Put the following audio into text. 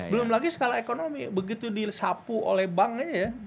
belum lagi skala ekonomi begitu disapu oleh bank aja ya